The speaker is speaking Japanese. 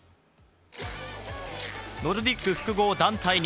ノルディック複合団体